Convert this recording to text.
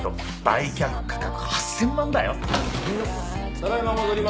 ただ今戻りました。